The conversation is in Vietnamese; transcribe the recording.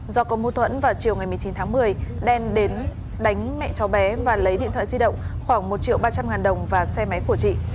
do có mô thuẫn vào chiều một mươi chín tháng một mươi đen đến đánh mẹ cháu bé và lấy điện thoại di động khoảng một triệu ba trăm linh ngàn đồng và xe máy của chị